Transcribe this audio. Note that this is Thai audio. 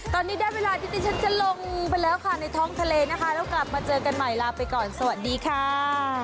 ตอนนี้ได้เวลาที่ดิฉันจะลงไปแล้วค่ะในท้องทะเลนะคะแล้วกลับมาเจอกันใหม่ลาไปก่อนสวัสดีค่ะ